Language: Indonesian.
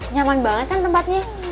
nyaman banget kan tempatnya